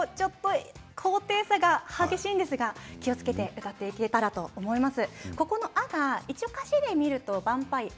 高低差が激しいんですが気をつけて歌っていけたらと思います。